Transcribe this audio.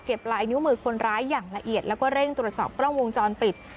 ลายนิ้วมือคนร้ายอย่างละเอียดแล้วก็เร่งตรวจสอบกล้องวงจรปิด